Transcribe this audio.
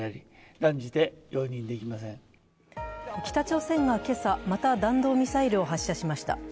北朝鮮が今朝また弾道ミサイルを発射しました。